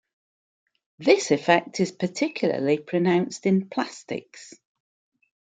This effect is particularly pronounced in plastics.